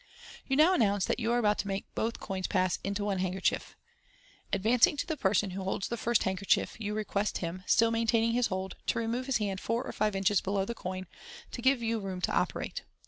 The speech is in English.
You now announce that you are about to make both coins pass into one handkerchief. Adv;...jing to the person who holds the first handkerchief, you request him, still maintaining his hold, to remove his hand four or five inches below the coin, to give you room to operate.